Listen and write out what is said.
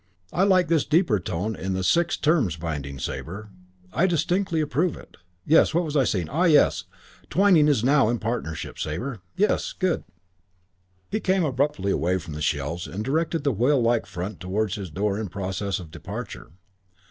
I like this deeper tone in the 'Six Terms' binding, Sabre. I distinctly approve it. Yes. What was I saying? Ah, yes, Twyning is now in partnership, Sabre. Yes. Good." He came abruptly away from the shelves and directed the whale like front towards his door in process of departure.